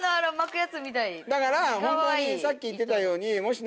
だからホントにさっき言ってたように。